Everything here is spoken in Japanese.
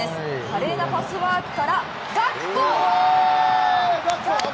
華麗なパスワークからガクポ！